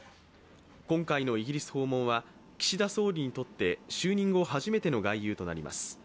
今回のイギリス訪問は岸田総理にとって就任後、初めての外遊となります。